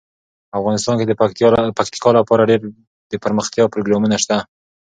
افغانستان کې د پکتیکا لپاره دپرمختیا پروګرامونه شته.